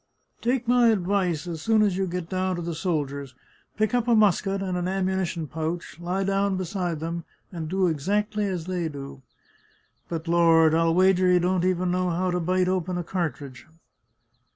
Take my advice, as soon as you get down to the soldiers, pick up a musket and an ammunition pouch, lie down beside them, and do exactly as they do. But, Lord! I'll wager you don't even know how to bite open a cartridge